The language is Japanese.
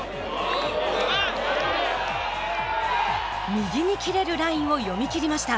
右に切れるラインを読み切りました。